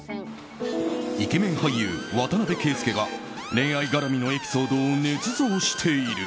イケメン俳優・渡邊圭祐が恋愛絡みのエピソードをねつ造している。